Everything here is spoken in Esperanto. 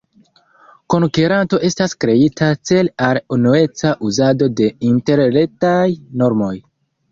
Konkeranto estas kreita cele al unueca uzado de Interretaj normoj.